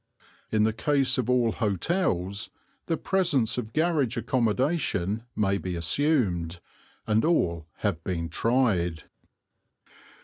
In the case of all hotels the presence of garage accommodation may be assumed, and all have been tried.